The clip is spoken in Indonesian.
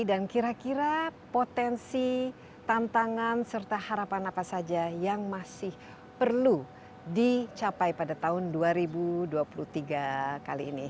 dan kira kira potensi tantangan serta harapan apa saja yang masih perlu dicapai pada tahun dua ribu dua puluh tiga kali ini